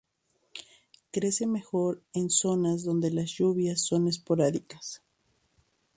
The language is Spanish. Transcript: Crece mejor en zonas donde las lluvias son esporádicas.